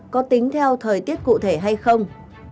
có tính theo thời tiết cụ thể hay không